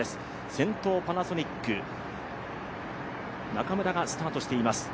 先頭パナソニック、中村がスタートしています。